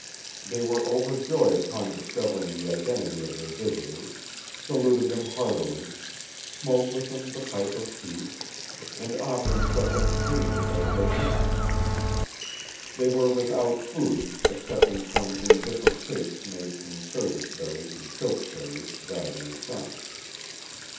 They were overjoyed upon discovering the identity of their visitors, saluted them heartily, smoked with them the pipe of peace, and offered such entertainment as they had. They were without food, excepting some indifferent cakes made from service berries and choke cherries, dried in the sun.